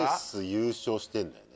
優勝してるんだよね。